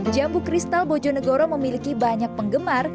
jambu kristal bojonegoro memiliki banyak penggemar